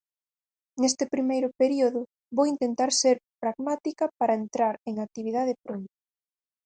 Neste primeiro período, vou intentar ser pragmática para entrar en actividade pronto.